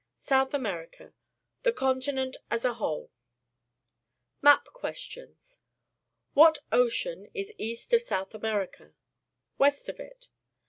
SOUTH AlilEEICA THE CONTINENT AS A WHOLE Map Questions. — What ocean is east of South America? West of it?